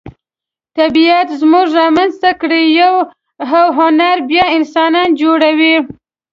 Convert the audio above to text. طبیعت موږ را منځته کړي یو او هنر بیا انسانان جوړوي.